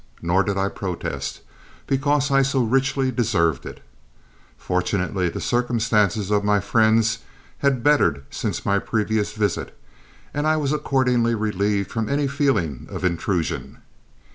Nor did I protest, because I so richly deserved it. Fortunately the circumstances of my friends had bettered since my previous visit, and I was accordingly relieved from any feeling of intrusion.